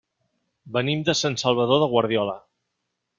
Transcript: Venim de Sant Salvador de Guardiola.